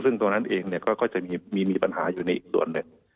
ซึ่งตรงนั้นเองก็จะมีปัญหาอยู่ในอีกส่วนเลย